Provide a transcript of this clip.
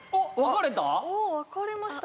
分かれた？